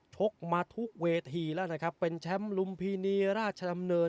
ชกมาทุกเวทีแล้วนะครับเป็นแชมป์ลุมพินีราชดำเนิน